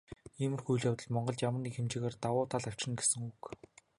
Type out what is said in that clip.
Иймэрхүү үйл явдал Монголд ямар нэгэн хэмжээгээр давуу тал авчирна гэсэн үг.